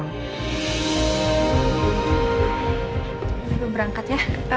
gue berangkat ya